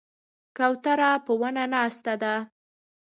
کوتره په ونو ناسته ده.